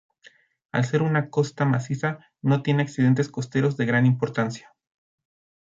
Al ser una costa maciza, no tiene accidentes costeros de gran importancia.